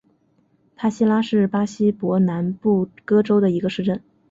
帕西拉是巴西伯南布哥州的一个市镇。